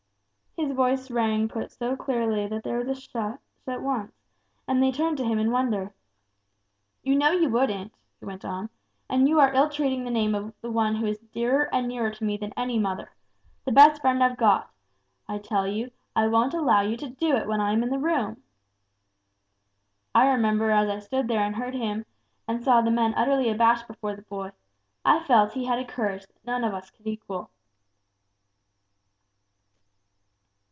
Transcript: His voice rang put so clearly that there was a hush at once, and they turned to him in wonder. 'You know you wouldn't,' he went on; 'and you are ill treating the name of One who is dearer and nearer to me than any mother the best Friend I've got. I tell you, I won't allow you to do it while I am in the room!' I remember as I stood there and heard him, and saw the men utterly abashed before the boy, I felt he had a courage that none of us could equal."